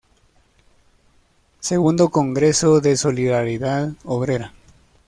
Segundo congreso de Solidaridad Obrera.